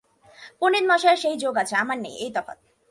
পণ্ডিতমশায়ের সেই যোগ আছে, আমার নেই, এই তফাত।